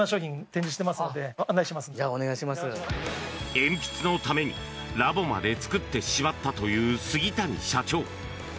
鉛筆のためにラボまで作ってしまったという杉谷社長。